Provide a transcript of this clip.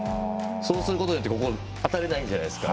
そうすることによって当たれないじゃないですか。